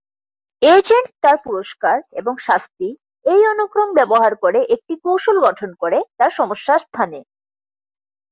Agent তার পুরস্কার এবং শাস্তি এই অনুক্রম ব্যবহার করে একটি কৌশল গঠন করে তার সমস্যার স্থানে।